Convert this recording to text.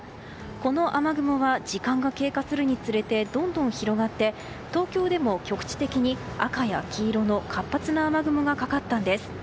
この雨雲は時間が経過するにつれてどんどん広がって東京でも局地的に赤や黄色の活発な雨雲がかかったんです。